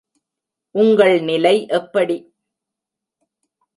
உங்கள் நிலை எப்படி?